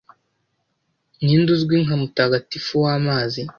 Ninde uzwi nka 'umutagatifu w'amazi'